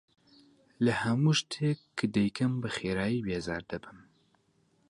لە هەموو شتێک کە دەیکەم بەخێرایی بێزار دەبم.